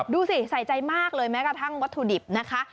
ดูสิใส่ใจมากเลยแม้กระทั่งวัตถุดิบนะคะ